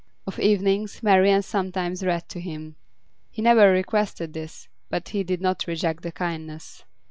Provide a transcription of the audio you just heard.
Of evenings, Marian sometimes read to him. He never requested this, but he did not reject the kindness.